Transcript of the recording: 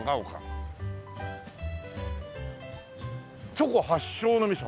「チョコ発祥の店」